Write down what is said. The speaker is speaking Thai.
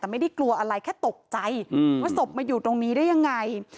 แต่ไม่ได้กลัวอะไรแค่ตกใจว่าศพมาอยู่ตรงนี้ได้ยังไง